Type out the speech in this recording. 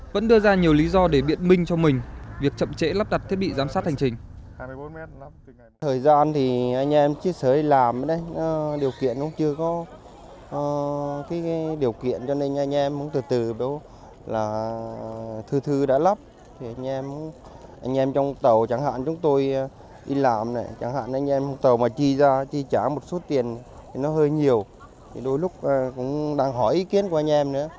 vẫn đưa ra nhiều lý do để biện minh cho mình việc chậm trễ lắp đặt thiết bị giám sát hành trình